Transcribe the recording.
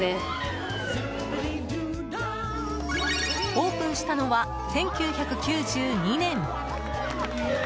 オープンしたのは１９９２年。